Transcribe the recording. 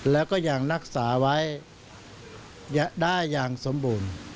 แล้วก็ยังรักษาไว้ได้อย่างสมบูรณ์